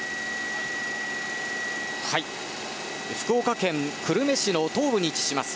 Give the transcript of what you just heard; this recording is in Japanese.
福岡県久留米市の東部に位置します